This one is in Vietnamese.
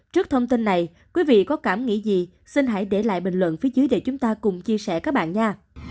trước thông tin này quý vị có cảm nghĩ gì xin hãy để lại bình luận phía dưới để chúng ta cùng chia sẻ các bạn nha